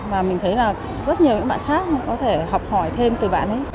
và mình thấy là rất nhiều những bạn khác có thể học hỏi thêm từ bạn ấy